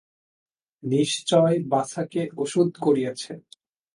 নিশ্চয় বাছাকে ওষুধ করিয়াছে।